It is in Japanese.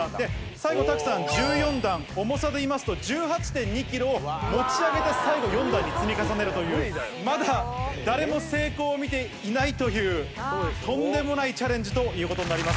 最後拓さん、１４段、重さでいいますと１８．２キロを持ち上げて最後、４段に積み重ねるという、誰も成功を見ていないという、とんでもないチャレンジということになります。